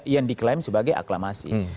yang diklaim sebagai aklamasi